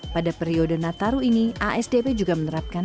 pada periode nataru ini asdp juga menerapkan